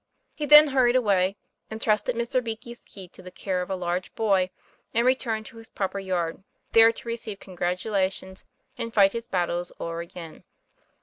He then hurried away, entrusted Mr. Beakey's key to the care of a large boy, and returned to his proper yard, there to receive congratulations and fight his battles o'er again.